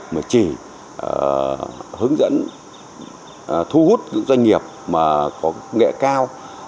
mà chỉ hướng dẫn thu hút những doanh nghiệp mà có công nghệ cao